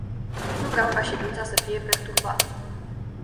Nu vreau ca ședința să fie perturbată.